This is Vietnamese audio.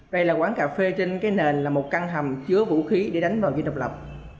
đây là quán cà phê trên cái nền là một căn hầm chứa vũ khí để đánh vào dân độc lập